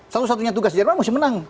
satu satunya tugas jerman masih menang